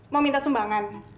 mau minta sumbangan